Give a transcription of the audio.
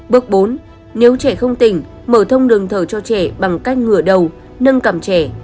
bước bốn nếu trẻ không tỉnh mở thông đường thở cho trẻ bằng cách ngửa đầu nâng cẳm trẻ